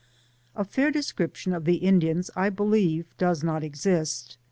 A fiur description of the Indians I believe does not exist.